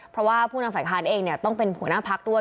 เพราะว่าผู้นำฝ่ายค้านเองต้องเป็นหัวหน้าพักด้วย